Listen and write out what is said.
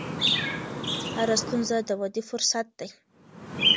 هره ستونزه د ودې فرصت دی.